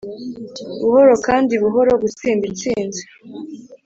buhoro kandi buhoro gutsinda intsinzi